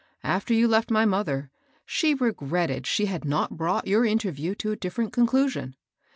"After you left my mother, she regretted she had not brought your interview to a different conclusion.